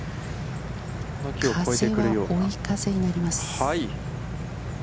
風は追い風になります。